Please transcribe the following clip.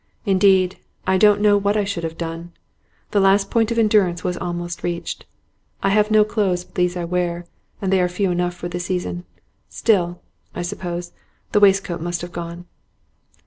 Indeed I don't know what I should have done; the last point of endurance was almost reached. I have no clothes but these I wear, and they are few enough for the season. Still, I suppose the waistcoat must have gone.